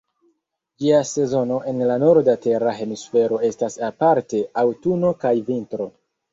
Ĝia sezono en la norda tera hemisfero estas aparte aŭtuno kaj vintro.